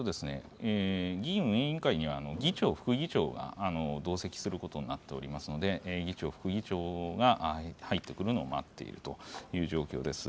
議院運営委員会には議長、副議長が同席することになっておりますので、議長、副議長が入ってくるのを待っているという状況です。